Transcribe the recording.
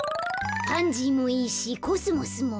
パンジーもいいしコスモスも。